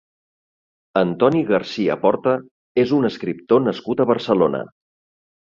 Antoni García Porta és un escriptor nascut a Barcelona.